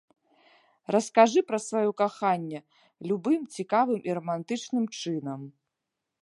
Раскажы пра сваё каханне любым цікавым і рамантычным чынам.